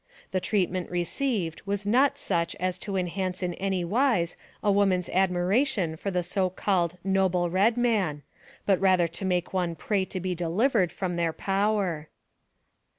The treatment received was not such as AMONG THE SIOUX INDIANS. Ill to enhance in any wise a woman's admiration for the so called noble red man, but rather to make one pray to be delivered from their power.